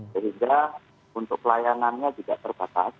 sehingga untuk layanannya tidak terbatas